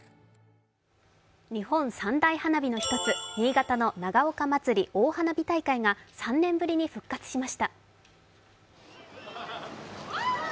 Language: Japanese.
日本三大花火大会の一つ、新潟の長岡まつり大花火大会が３年ぶりに復活しました。